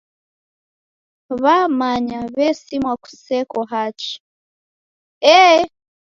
W'amanya w'esimwa kuseko hachi.